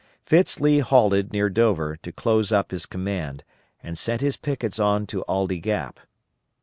Fitz Lee halted near Dover to close up his command, and sent his pickets on to Aldie Gap.